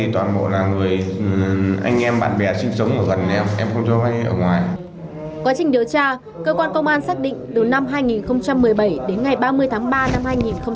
qua trình điều tra cơ quan công an xác định từ năm hai nghìn một mươi bảy đến ngày ba mươi tháng ba năm hai nghìn hai mươi hai